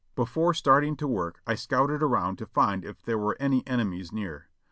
Before starting to work I scouted around to find if there were any enemies near.